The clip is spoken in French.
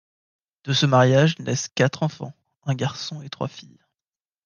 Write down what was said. De ce mariage naissent quatre enfants, un garçon et trois filles.